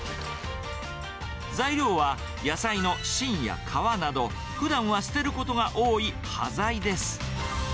材料は野菜の芯や皮など、ふだんは捨てることが多い端材です。